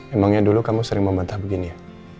emangnya dulu kamu sering membantah begini ya